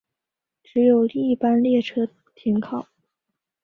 只有一般列车停靠。